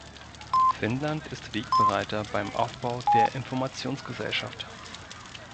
Finnland ist Wegbereiter beim Aufbau der Informationsgesellschaft.